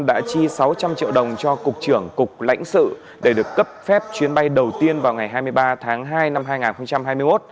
đã chi sáu trăm linh triệu đồng cho cục trưởng cục lãnh sự để được cấp phép chuyến bay đầu tiên vào ngày hai mươi ba tháng hai năm hai nghìn hai mươi một